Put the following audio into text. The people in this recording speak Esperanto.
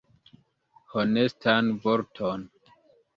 Honestan vorton.